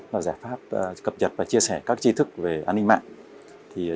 và giải pháp cập nhật và chia sẻ các chi thức về an ninh mạng